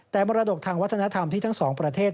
แต่มรดกทางวัฒนธรรมที่ทั้งสองประเทศ